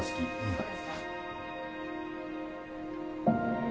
はい。